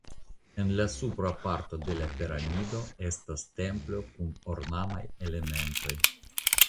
En la supra parto de la piramido estas templo kun ornamaj elementoj.